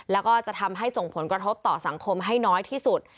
แล้วก็จะทำให้ส่งผลกระทบต่อสังคมให้น้อยที่สุด